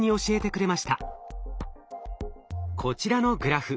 こちらのグラフ。